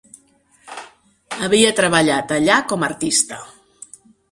Havia treballat allà com artista.